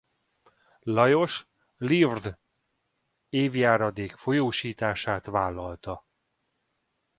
Lajos livre évjáradék folyósítását vállalta.